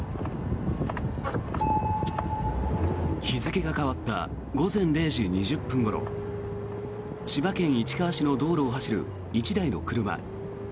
日付が変わった午前０時２０分ごろ千葉県市川市の道路を走る１台の車。